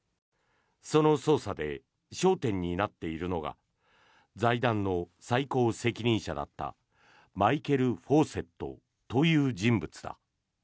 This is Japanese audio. その捜査で焦点になっているのが財団の最高責任者だったマイケル・フォーセットという人物だ。